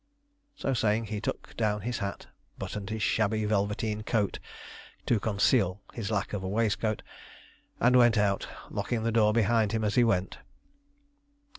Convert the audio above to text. So saying, he took down his hat, buttoned his shabby velveteen coat to conceal his lack of a waistcoat, and went out, locking the door behind him as he went.